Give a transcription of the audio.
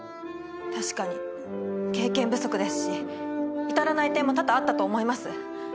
確かに経験不足ですし至らない点も多々あったと思います。